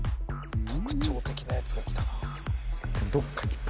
特徴的なやつがきたな